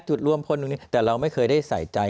จุดรวมพลตรงนี้แต่เราไม่เคยได้ใส่ใจ